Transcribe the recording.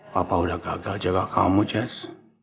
papa udah gagal jaga kamu jess